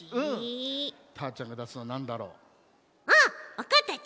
わかったち！